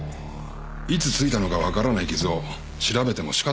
いつ付いたのかわからない傷を調べても仕方ないだろう。